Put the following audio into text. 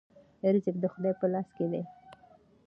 رزق د خدای په لاس کې دی.